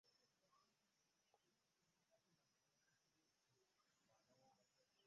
Togeza nokosa muno mu kiwundu.